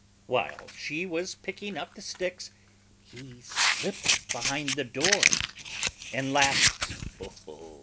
While she was picking up the sticks He slipped behind the door, And laughed "Ho! Ho!"